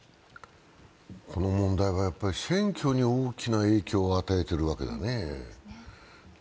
この問題は選挙に大きな影響を与えてるわけだね。